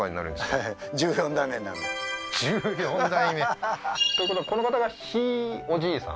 ははははっということはこの方がひいおじいさん